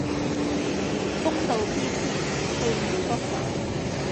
風度翩翩、氣宇不凡